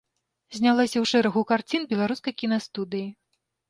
Знялася ў шэрагу карцін беларускай кінастудыі.